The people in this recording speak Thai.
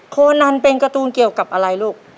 โคนันเป็นการ์ตูนเกี่ยวกับอะไรลูก